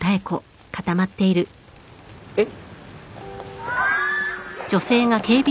えっ？